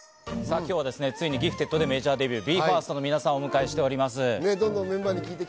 今日はついに『Ｇｉｆｔｅｄ．』でメジャーデビュー、ＢＥ：ＦＩＲＳＴの皆さんをお迎えしています。